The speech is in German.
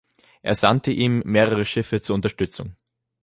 Er sandte ihm mehrere Schiffe zur Unterstützung.